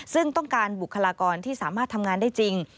ซึ่งต้องการบุคลากรที่สามารถทำงานได้จริง